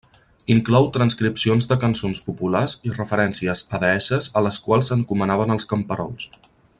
Inclou transcripcions de cançons populars i referències a deesses a les quals s'encomanaven els camperols.